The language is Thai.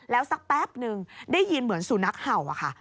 แล้วสักแป๊บนึงได้ยินเหมือนสุนัขเห่าอะค่ะ